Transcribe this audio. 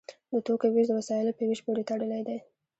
د توکو ویش د وسایلو په ویش پورې تړلی دی.